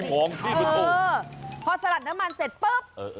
เออพอสลัดน้ำมันเสร็จเปิ๊บ